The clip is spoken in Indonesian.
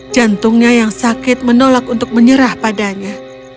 jantungnya yang sakit menolak untuk menyerah padanya